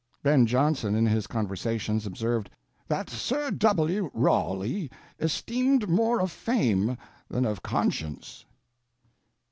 Ben Jonson in his Conversations observed "That Sr. W. Raughlye esteemed more of fame than of conscience."